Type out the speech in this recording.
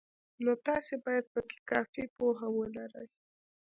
نو تاسې باید پکې کافي پوهه ولرئ.